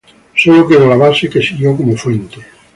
Solo quedó la base, que siguió como fuente.